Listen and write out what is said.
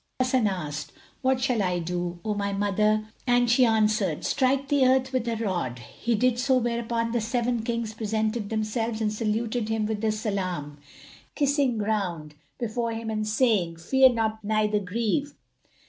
Hasan asked, "What shall I do, O my mother?"; and she answered, "Strike the earth with the rod." He did so whereupon the Seven Kings presented themselves and saluted him with the salam, kissing ground before him and saying, "Fear not neither grieve."